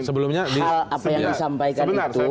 sebelumnya hal apa yang disampaikan itu